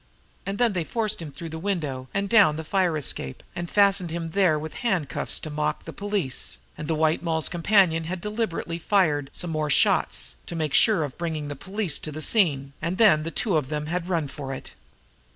And then they forced him through the window and down the fire escape, and fastened him there with handcuffs to mock the police, and the White Moll's companion had deliberately fired some more shots to make sure of bringing the police to the scene, and then the two of them had run for it.